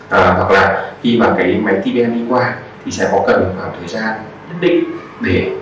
hoặc là khi máy tbm đi qua thì sẽ có cần khoảng thời gian nhất định để